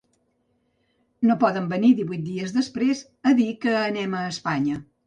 No poden venir divuit dies després a dir que anem a Espanya.